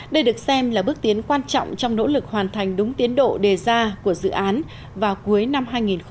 đây được xem là bước tiến quan trọng trong nỗ lực hoàn thành đúng tiến độ đề ra của dự án vào cuối năm hai nghìn hai mươi